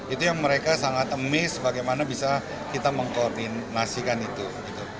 itu yang mereka sangat amis bagaimana bisa kita mengkoordinasikan itu